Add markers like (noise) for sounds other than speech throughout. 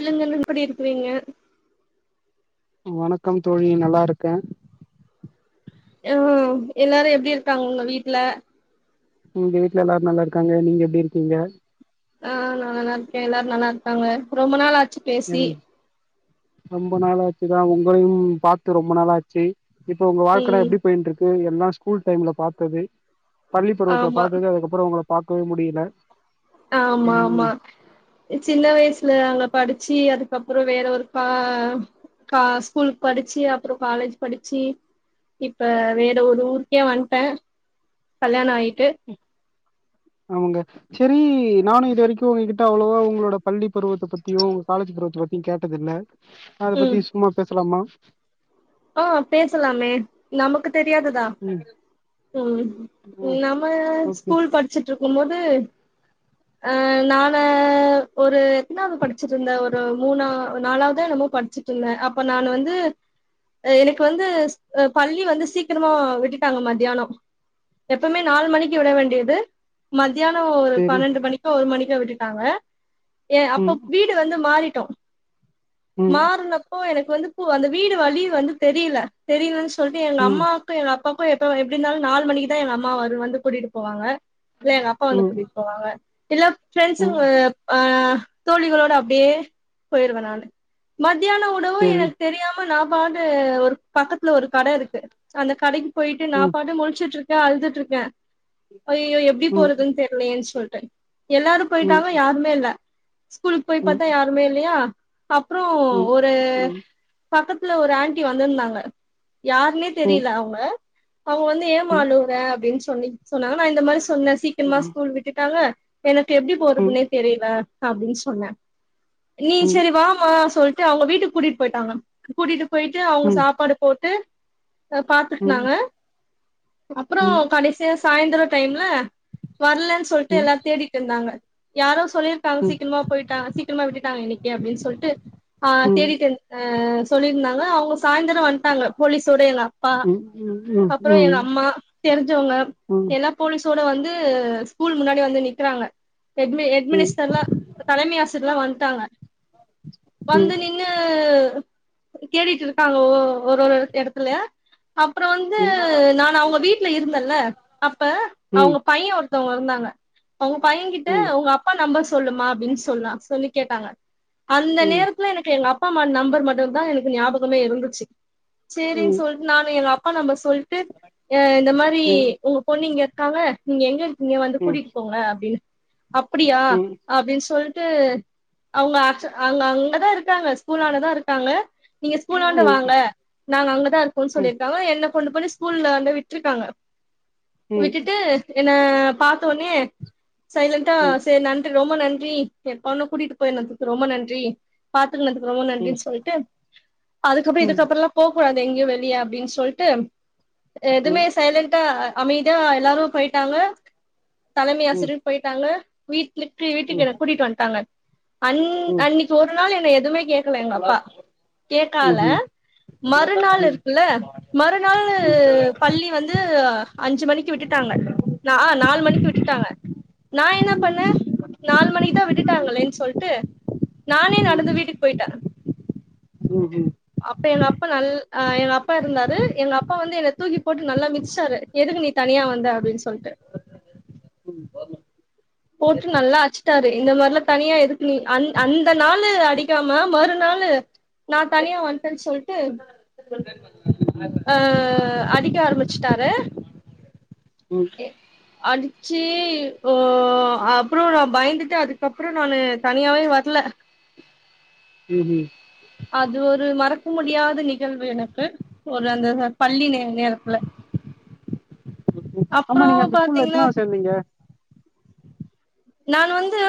இல்லுங்கல்லு (unintelligible) எப்டி இருக்ரிங்க வணக்கம் தோழி நல்லாருக்கேன் ம் எல்லாரும் எப்டி இருக்காங்க உங்க வீட்டுல? எங்க வீட்ல எல்லாரும் நல்லா இருக்காங்க நீங்க எப்டி இருக்கீங்க? ஆ நான் நல்லா இருக்கேன். எல்லாரும் நல்லா இருக்காங்க ரொம்ப நாள் ஆ சச்சு பேசி ம் ரொம்ப நாளாச்சுதான் உங்களையும் பாத்து ரொம்ப நாள் ஆச்சு இப்ப உங்க வாழ்க்கடா ம் எப்டி போய்ன்ட்டு இருக்கு எல்லாம் ஸ்கூல் டைம்ல பாத்தது பள்ளி பருவத்துல ஆமா பாத்தது அதுக்கப்புறம் உங்களை பாக்கவே முடில ஆமா ஆமா சின்ன வயசுல அங்க படிச்சு அதுக்கு அதுக்கப்புறம் வேற ஒரு கா ஸ்கூலு படிச்சு அப்புறம் காலேஜ் படிச்சு இப்ப வேற ஒரு ஊருக்கே வந்ட்டேன் கல்யாணம் ஆகி கே ஆமாங்க சரி நானும் இது வரைக்கும் உங்ககிட்ட அவ்வளவா உங்களோட பள்ளி பருவத்தை பத்தியும் உங்க காலேஜ் பருவத்தை பத்தியும் கேட்டதில்ல அதை பத்தி சும்மா பேசலாமா? (inaudible) ஆஹ் பேசலாமே நமக்கு தெரியாததா ம் ம் ஆ நம்ம ஓகே ஸ்கூல் படிச்சுட்ருக் க்கும்போது அஹ் நானு ஒரு எத்னாவது படிச்சுட்ருந்தே ஒரு மூணா நாலாவதோ என்னமோ படிச்சிட்ருந்தே அப்ப நானு வந்து அ எனக்கு வந்து ஸ் பள்ளி வந்து சீக்கரமா விட்டுட்டாங்க மத்யானோ எப்பம்மே நால் மணிக்கு விட வேண்டியது மத் தியானோ ஒரு செரி பன்னன்டு மணிக்கோ ஒரு மணிக்கோ விட்டுட்டாங்க ஏ அப்போ ம் வீடு வந்து மாரி ட்டோ ம் மாறுனப்போ எனக் வந்து போ அந்த வீடு வழி வந்து தெரில தெரிலன்ஸ் சொல்ட்டு எங்க ம் அம்மாக்கு எங் அப் பப்பாக்கு எப்போ எப்டினாலும் நாலு மணிக்குதா எங்க அம்மா வரு வந்து கூட்டிட்டு போவாங்க இல்ல எங்க அப்பா வந்து ம் கூட்டிட் போவாங்க இல்ல ம் பிரெண்ட்ஸுங்க ப்பா தோழிகளோட அப்டியே போயிருவ நானு மத் தியான உணவு செரி எனக்கு தெரியாம ப்ப நா (unintelligible) ஒரு பக்கத்துல ஒரு கட இருக்கு அந்த கடைக் போய்ட்டு நா ம் பாட்டு முழ்ச்சுட்ரு கே அழுதுட்ருக்கே ஐயயோ எப்டி ம் போறதுன் தெர்லயேன் சொல் டு எல்லாரு ம் போய்ட்டாங்க யாருமே இல்ல ஸ்கூல்கு போய் ம் பாத்தா யாருமே இல்லயா அப்றோ ஒரு பக்கத் ல ஒரு ஆண்டி வந்திர்ந்தாங்க யார்ன்னே தெரில அவ்ங்க அவுங்க வந்து ஏமா அழுவுற அப்டின் சொ சொல்லி சொன்னாங்க நா இந்த மாரி சொன்னே சீக்ரமா ஸ்கூல் விட்டுட்டாங்க எனக் எப்டி போறதுனே தெரில அப்டீன்னு சொன்ன நீ செரி வாம்மா சொல் அவங்க வீட்டுக்கு கூட்டிட்டு போயிட்டாங்க கூட்டிட்டு போயிட்டு அவங்க சாப்பாடு போட்டு பாத்துக்குனாங்க அப்புறோ கடேசியா சாய்ந்தரோ டைம்ல வரலன்னு சொல்லிட்டு எல்லாந் தேடிட்டு இருந்தாங்க யாரோ ஸ் சொல்லிருக்காங்க சீக்கிரமா போயிட்டாங்க சீக்கிரமா விட்டுட்டாங்க இன்னைக்கு அப்டின்னு சொல்ட்டு ஆஹ் தேடிட்டேருந்துர் எஹ் சொல்லிருந்தாங் னே அவங்க சாயந்தரம் வந்ட்டாங்க போலீசோட எங்கப்பா அப்பறம் எங்க அம்மா தெரிஞ்சவங்க எல்லா போலீசோட வந்து ஸ்கூல் முன்னாடி வந்து நிக்கிறாங்க எட்மி - எட்மினிஸ்டர்லாம் தலைமை ஆசிரியர்லாம் வந்துட்டாங்க வந்து நின்னு தேடிட்டு இருக்காங்க ஓ ஒரு ஒரு எடத்துல அப்புறம் வந்து நான் அவுங்க வீட்டுல இருந்தேன்ல அப்ப அவுங்க பையன் ஒரு ருத்தவங்க இருந்தாங்க அவுங்க பையன்கிட்ட உங்க அப்பா நம்பர் ஸ் சொல்லும்மா அப்பிடின்னு சொல்லாம் - சொல்லிக் கேட்டாங்க அந்த நேரத்துல எனக்கு எங்க அப் ப்பாம்மா நம்பர் மட் ட்டுந்தான் எனக்கு ஞாபகமே இருந்துச்சி சேரின்னு சொல்லிட்டு நானு எங்க அப் ப்பா நம்ப ஸ் சொல்லிட்டு எஹ் இந்த மாதிரி உங்க பொண்ணு இங்க ருக்காங்க நீங்க எங்க இங்கே வந்து கூட்டிட்டு போங்க அப்டீன்னு அப்பிடியா அப்டீன்னு சொல்ட் ட்டு அவுங்க ஆக்ச் அவ்ங்க அங்கதான் இருக்காங்க ஸ்கூலாண்டதான் இருக் க்காங்க நீங்க ஸ்கூலாண்ட வாங்க நாங்க அங்கதான் இருக்கோன்னு சொல்லிருக்காங்க என்ன கொண்டுபோனு ஸ்கூல்ல வந்து விட்டுருக்காங்க விட்டுட்டு என்ன பாத்தொன்னியே சைலன்டா செர் ந ரொம்ப நன்றி எ பொண்ண கூட்டிட்டு போயிருந்ததுக் ரொம்ப நன்றி பா த்துனக்கு ரொம்ப நன்றின் சொல் அதுக்கப்புற இதுக்கப்புறல்லா போக்கூடாது எங்கி (unintelligible) அப்டின் சொல்ட்டு எதுமே சைலன்டா அமைதியா எல்லாரு போய்ட்டாங்க தலைமை ஆசிரியர் போய்ட்டாங்க வீட் லிப்ட்டு வீட்டுக்கு என்ன கூட்டிட்டு வந்டாங்க அன் அன்னிக்கு ஒரு நாள் என்ன எதுமே கேக்கல எங்கப்பா கேக்கால மறுநாள் இருக்குல்ல மறுநாளு பள்ளி வந்து அஞ்சு மணிக்கு விட்டுட்டாங்க நா ஆ நாலு மணிக்கு விட்டுட்டாங்க நா என்ன பண்ணே நாலு மணிக்கு தா விட்டுட்டாங்களேன் சொல்ட்டு நானே நடந்து வீட்டுக் போயிட்டே ம் ம் அப்ப எங்க அப்பா நல் அ எங்க அப்பா இருந்தாரு எங்க அப்பா வந்து என்ன தூக்கி போட்டு நல்லா மிதிச்சாரு எதுக்கு நீ தனியா வந்த அப்டின் சொல்ட்டு போட்டு நல்லா அச்சிட்டாரு இந்த மார்லா தனியா எதுக்கு நீ அந் அந்த நாளு அடிக்காம மறுநாளு நா தனியா வந்ட்டேன் சொல்ட்டு அ அடிக்க ஆரம்பிச்சிட்டாரு ம் அடிச்சி ஒ அப்புறோ நா பயந்துட்டு அதுக்கப்புறோ நானு தனியாவே வர்ல ம் உம் அது ஒரு மறக் முடியாத நிகழ்வு எனக்கு ஒரு அந்த ஹ பள்ளி நே நேரத்ல ஆமா நீங்க அந்த ஸ்கூல்ல எத்தனாவு சேந்தீங்க நானு வந்து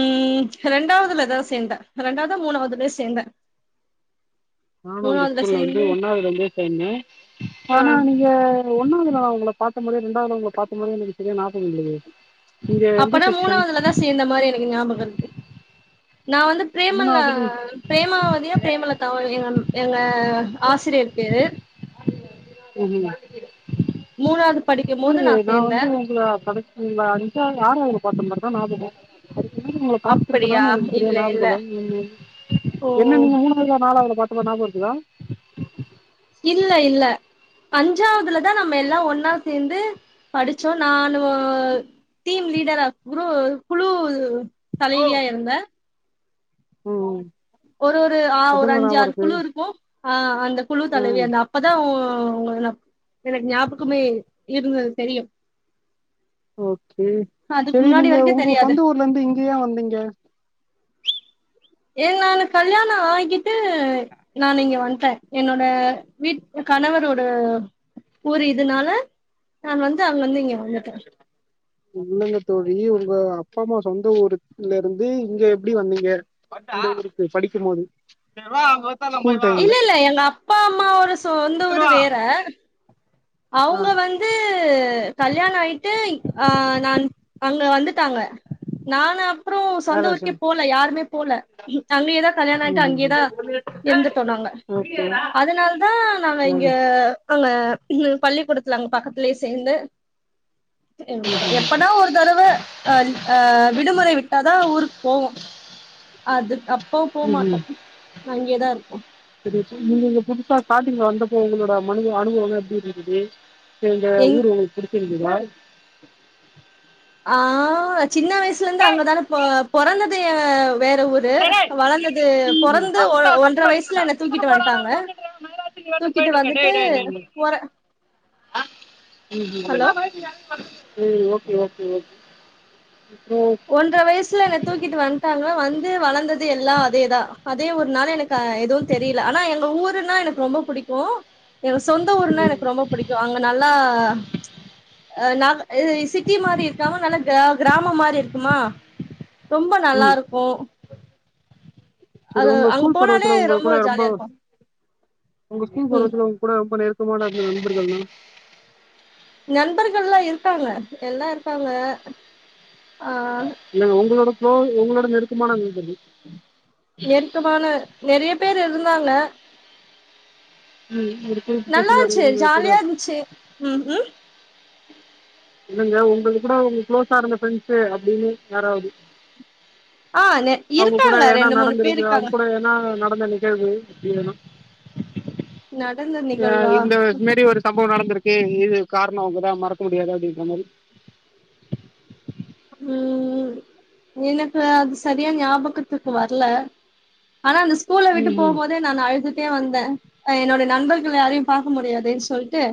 ம் ரெண்டாவதுல தா சேந்தே ரெண்டாவதா மூணாவுதுலயோ சேந்தே நானு அந்த மூணாவதுல ஸ்கூல்ல வந்து சேந்து ஒண்ணாவதுலந்தே சேந்தே ஆ ஆனா நீங்க ஒன்னாவ்துல நா உங்க பாத்த மாரியோ ரெண்டாவ்ல உங்கள பாத்த மாரியே எனக்கு செரியா ஞாபகொ இல்லயே அப்பதா மூணாவதுலதா சேந்த மாரி எனக்கு ஞாபகோ இருக்கு நா வந்து பிரேமல மூணாவது பிரேமாவதியா பிரேமலதாவா எங்கன் எங்க ஆசிரியர் பேரு ம்ஹு மூணாவது படிக்கும் போது இல்லியே நா சேந்தே வந்து உங்கள படைச்சல அஞ்சாவ் ஆறாவ்துல பத்தமாரிதா நாபகோ இதுக்கு முன்னாடி நா உங்கள பாத்துருக்கனானு எனக்கு சரியா ஞாபகோ இல்ல ம் ஓ என்ன நீங்க மூணாவாதுல நாலாவதுல ப்பாத்தமாரி நாபகோ இருக்குதா இல்ல இல்ல அஞ்சாவதுலதா நம்ம எல்லா ஒன்னா சேந்து படிச்சோ நானு ஆ திம் லீடரா குரு குழு தலைவியா இருந்த ம் ம் ஒரு ஒரு ஆ ஒரு அதில் ஞாபகம் அஞ்சாறுக்குழு இருக்குது இருக்கு. ஆ அந் அந்த குழு தலைவி ஆ அந்த அப்பதா ஆ அவங்கள நா எனக்கு ஞாபகமே இருந்தது தெரியு ஓக்கே அதுக்கு சேரி முன்னாடி நீங்க வரைக்கு உங்க தெரியாது சொந்த ஊர்ல இருந்து இங்கயே வந்தீங்க. ஏ நான் கல்யாணோ ஆகிட்டு நானு இங்க வந்துட்டே என்னோட வீட கணவரோட ஊர் இதுனால நான் வந்து (unintelligible) இங்க வந்துட்டே. இல்லங்க தோழி உங்க அப்பா அம்மா சொந்த ஊருக்ல இருந்து இங்க எப்படி வந்தீங்க சொந்த ஊருக்கு படிக்கும் போது ஸ்கூல் இல்ல டைம்ல இல்ல எங்க அப்பா அம்மா ஒரு சொந்த ஊரு வேற ஆ அவங்க வந்து கல்யாணோ ஆயிட்டு ஆ நான் அங்க வந்துட்டாங்க. நான் அப்புறோ சொந்த வேல ஊருக்கே விஷயம் போல யாருமே போல அங்கேயேதான் கல்யாணம் ம் ஆயிட்டு ம் ம் அங்கயேதான் இருந்துட்டோன்னாங்க. ஓகே அதனால தா நாங்க ம் இங்க ம் அங்க ன்னு பள்ளி குடுத்துலாங்க பக்கத்தலயே சேந்து த் இந்துடோ எப்பனா ஒரு தடவ அ லீ ஆ விடுமுறை விட்டாதா ஊருக்கு போவோ அது அ ம் ம் (unintelligible) நீங்கங்க புதுசா ஸ்டாடிங்கல வந்தப்போ இப்ப உங்களோட மனத அனுபவங்க எப்படி இருந்தது. எங்க எங் ஊரு உங்களுகு புடி புடிச்சிருந்ததா வாய் ஆ சின்ன வயசுல இருந்து அங்கதானே பொ பொறந்தது வேற ஊரு வளந்தது. ம் ம் பொறந்து ம் ஒன்றரை வயசுல என்ன தூக்கிட்டு வண்டாங்க. தூக்கிட்டு வந்துட்டு பொற ஹலோ உம் ஓக்கே ஓக்கே ஓக்கே ஒன்ற வயசுல என்ன தூக்கிட்டு வந்துட்டாங்க வந்து வளந்தது எல்லா அதேதா அதே ஒரு நாள். எனக்கு எதுவு தெரியல. ஆனா எங்க ஊருன்னா எனக்கு ரொம்ப பிடிக்கு எனக்கு சொந்த ஊருன்னா ம் எனக்கு ரொம்ப பிடிக்கு அங்க நல்லா ச் ஆ நாங்க இ சிட்டி மாரி இருக்காம நல்ல க கிராம மாரி இருக்கு கும்மா ரொம்ப நல்லா இருக்கு செரி அது உங்க அங்க ஸ்கூல் போனாலே பருவத்துல உங்க கூட ரொம்ப ஜாலியா இருக்கு உங்க ஸ்கூல் ம் பருவத்துல உங்க கூட ரொம்ப நெரு க்கமான இருந்த நண்பர்கள்னா நண்பர்கள் இல்லா இருக்காங்க. எல்லா இருக்காங்க ஆ (unintelligible) உங்களோட சோ உங்களோட நெருக்கமான நண்பர்கள் நெருக்கமான நெறைய பேர் இருந்தாங்க உம் நல்லா இருந்த்ச்சு ஜாலியா இருந்த்ச்சு உம் உம் இல்லங்க உங்க கூட அவுங்க குளோஸா இருந்த ஃப்ரெண்ட்ஸூ அப்டின்னு யாராவ்து ஆஹ் நெ இருக்காங்க ரெண்டு மூணு பேர் இருக்காங்க நா நெனைக்கறது அப்டியேதா நடந்த நிகழ்வா ரொம்ப நடந்திருக்கு. இது காரணோ அவுங்கதா மறக்க முடியாது அப்டின்ற மாரி உஹம் எனக்கு அது சரியா ஞாபகத்துக்கு வர்ல ஆனா அந்த ஸ்கூல்ல விட்டு ம் ம் போம் போதே நா அழுதுட்டே வந்தே அ என்னோட நண்பர்கள் யாரையும் பாக்க முடியாதேன்னு சொல்டே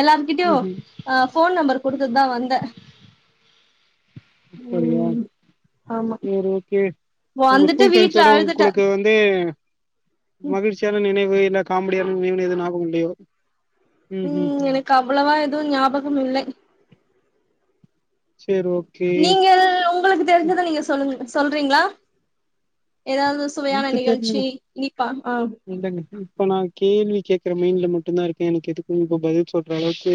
எல்லார்கிட்டயு ம் ம் அஹா ஃபோன் நம்பர் குடுத்துட்டு தா வந்தே அப்படியா ம் ஆமா சேரி ஓகே உங்க வந்துட்டு ஸ்கூல் வீட்ல ஃரெண்ட்ஸோட அழுதுட்டே உங்களுக்கு வந்து எ மகிழ்ச்சியான நினைவு இல்ல காமெடியான நினைவு எதும் ஞாகம் இல்லையோ ம் உம் ம் ம் எனக்கு அவ்வளவா எதும் ஞாபகம் இல்ல சேரி ஓகே நீங்க உங்களுக்கு தெரிஞ்சத நீங்க சொல்லுங்க சொல்றீங்களா? ஏதாவது சுவையான எனக்கு நிகழ்ச்சி தெரிந்து இனிப்பா ஆ இல்லங்க இப்ப நா கேள்வி கேக்கற மைண்ட்ல மட் மட்டுதா இருக்கே. எனக்கு எதுக்கு இப்ப பதில் சொல்ற அளவுக்கு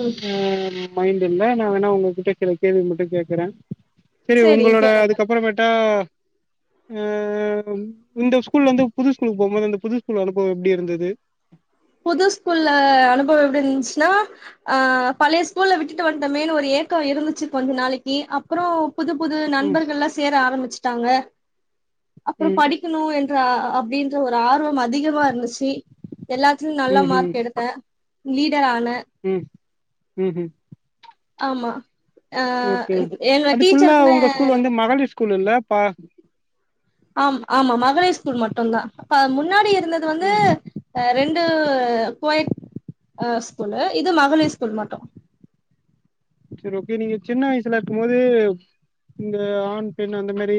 ம் ஆ மைண்ட் இல்ல நா வேணா உங்ககிட்ட சில கேள்வி மட்டு கேக்கறே சரி உங்களோட அதுக்கப்புறமேட்டா ம் இந்த ஸ்கூல்ல இருந்து புது ஸ்கூலுக்கு போகும்போது அந்த புது ஸ்கூல் அனுபவம் எப்டி இருந்தது புது ஸ்கூல்ல அனுபவம் எப்டி இருந்துச்சுன்னா அஹ் பழைய ஸ்கூல்ல விட்டுட்டு வந்துட்டோமேன்னு ஒரு ஏக்கம் இருந்துச்சு கொஞ்ச நாளைக்கு அப்புறம் புது புது ம் நண்பர்கள்லாம் சேர ஆரம்பிச் ட்டாங்க அப்புறம் ம் படிக்கணு என்ற அப்படின்ற ஒரு ஆர்வம் அதிகமா இருந்துச்சு எல்லாம் நல்லா ம் ம் மார்க் எடுத்தே லீட் டர் ஆனே உம் ஹும் ஆமா ஆஹ் என்ன டீச்சருக்குன்னே ஸ்கூலுல்ல பா ஆம் ஆமா மகளிர் ஸ்கூல் மட்டும்தான் அ முன்னாடி எது இருந்தது வந்து ம் ரெண்டு டு கோ யட் ஸ்கூலு இது மகளிர் ஸ்கூல் மட்டும் சரி ஓகே நீங்க சின்ன வயசுல இருக்கும் போது இந்த ஆண் பெண் அந்த மாரி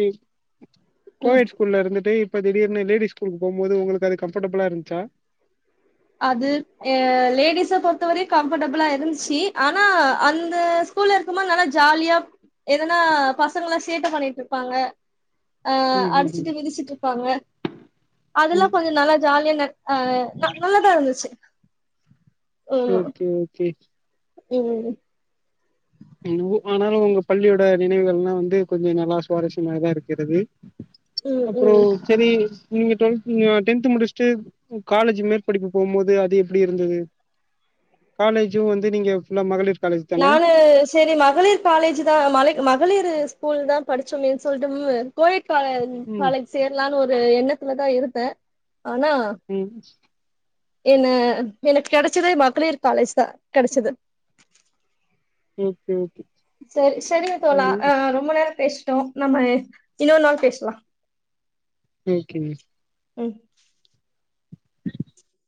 கோ ம் யட் ஸ்கூல்ல இருந்துட்டு இப்ப திடீர்னு லேடிஸ் ஸ்கூலு போகும்போது உங்களுக்கு அது கம்ஃபர்டபுளா இருந்துச்சா அது எ லேடிஸ பொறுத்தவரையும் கம்ஃபர்டபிளா இருந்துச்சு ஆனா அந்த ஸ்கூல்ல இருக்கும்போது நல்லா ஜாலியா எதனா பசங்களா சேட்ட பண்ணிட்டு இருப்பாங்க அஹ் ம் ம் ம் அடிச்சிட்டு மிதிச்சிட்டு இருப்பாங்க ம் அதெல்லாம் கொஞ்சம் நல்லா ஜாலியா ந ஆஹ் நல்லாதா இருந்துச்சு ஓகே ஓகே உம் உம் உம் என்னவோ ஆனால் உங்க பள்ளியோட நினைவுகள்ல்லாம் வந்து கொஞ்சோ நல்லா சுவாரஸ்யமாகதான் இருக்கிறது ம் ம் அப்புறம் சரி நீங்க டுவெல்த் டென்த் முடிச்சுட்டு காலேஜ் மேற்படிப்பு போகும் போது அது எப்டி இருந்தது காலேஜும் வந்து நீங்க ஃபுல்லா மகளிர் காலேஜ் தான நானு சரி மகளிர் காலேஜ் தான் மலை மகளிரு ஸ்கூல் தான் படிச்சோமேனு சொல்ட்டு கோ யட் ட் காலே ம் காலேஜ் சேரலான்னு ஒரு எண்ணத்துல தான் இரு தே ம் என்ன எனக்கு கடைச்சதே மகளிர் காலேஜ் தான் கடைச்சது. ஓகே ஓகே செரி செரிங்க தோலா ஆ ம் ரொம்ப நேரம் பேஸ் டோம் நம்ம இன்னொர் நாள் பேஸ்லாம் ஓகேங்க ம். (inaudible)